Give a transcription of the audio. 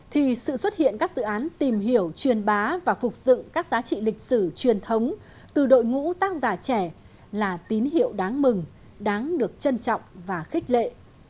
thì sự xuất hiện các dự án tìm hiểu truyền bá và phục dựng các giá trị lịch sử truyền thống từ đội ngũ tác giả trẻ là tín hiệu đáng mừng đáng được trân trọng và khích lệ